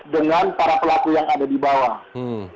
dengan para pelaku yang ada di bawah